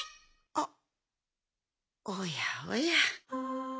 あっおやおや。